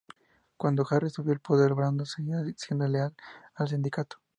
Cuando Harry subió al poder, Brandon seguía siendo leal al sindicato.